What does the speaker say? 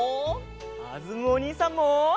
かずむおにいさんも！